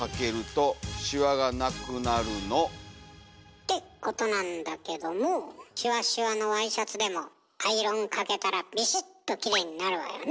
ってことなんだけどもシワシワのワイシャツでもアイロンかけたらビシッとキレイになるわよね？